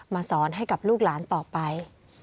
สอนให้กับลูกหลานต่อไป